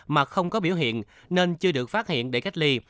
mà không có biểu hiện nên chưa được phát hiện để cách ly